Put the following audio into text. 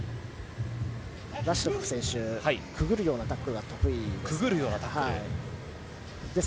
ラシドフ選手くぐるようなタックルが得意です。